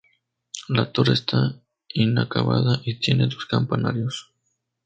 La torre está inacabada y tiene dos campanarios.